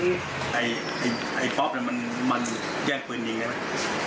ไอ้ป๊อบนั้นมันแย่งพื้นอย่างไร